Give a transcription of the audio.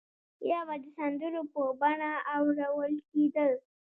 یا به د سندرو په بڼه اورول کېدل.